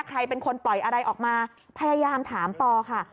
ใครเป็นคนปล่อยอะไรออกมาพยายามถามปอค่ะ